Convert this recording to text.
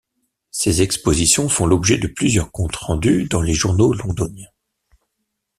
Ses expositions font l’objet de plusieurs comptes rendus dans les journaux londoniens.